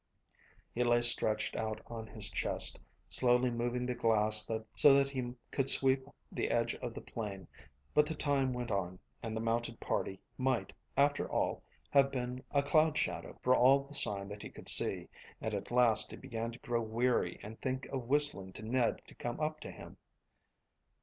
He lay stretched out on his chest, slowly moving the glass so that he could sweep the edge of the plain; but the time went on, and the mounted party might, after all, have been a cloud shadow for all the sign that he could see, and at last he began to grow weary and think of whistling to Ned to come up to him.